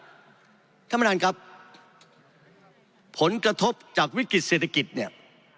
ท่านประธานครับผลกระทบจากวิกฤติเศรษฐกิจเนี่ย